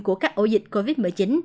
của các ổ dịch covid một mươi chín